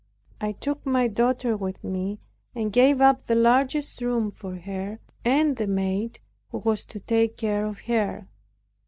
I took my daughter with me and gave up the largest room for her and the maid who was to take care of her.